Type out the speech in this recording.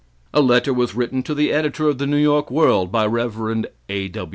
A letter was written to the editor of The New York World by the Rev. A.